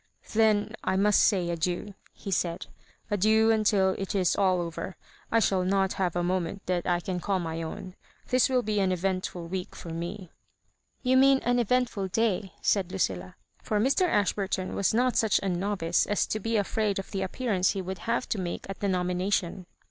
" Then I must say adieu," he said — "adieu until it is aU over. I shall not have a moment that I can call my own—this will be an eventful week for me." "You mean an eventful day," said Lucilla; for Mr. Ashburtou was not such an novice as to be afraid of the appearance he would have to make at the nomination.